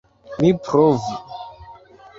Mi provu.